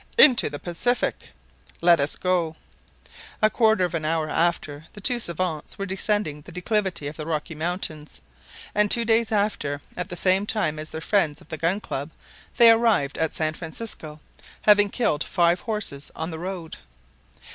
"Into the Pacific!" "Let us go!" A quarter of an hour after the two savants were descending the declivity of the Rocky Mountains; and two days after, at the same time as their friends of the Gun Club, they arrived at San Francisco, having killed five horses on the road.